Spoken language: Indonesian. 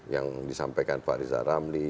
yang disampaikan pak riza ramli